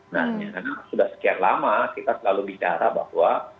nah karena sudah sekian lama kita selalu bicara bahwa